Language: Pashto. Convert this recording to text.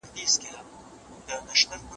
استاد ادعا وکړه چي سياسي اصطلاحات ډېر ژور دي.